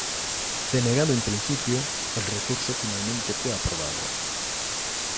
Denegado en principio el recurso finalmente fue aprobado.